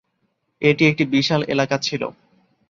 এটি একটি বিশাল এলাকা ছিল।